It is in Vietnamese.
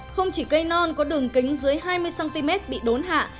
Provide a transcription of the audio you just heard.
không chỉ cây non có đường kính dưới hai mươi cm bị đốn hạ